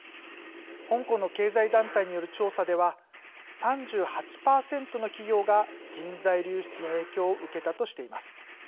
香港の経済団体による調査では３８％の企業が人材流出の影響を受けたとしています。